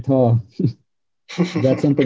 itu yang gue harapkan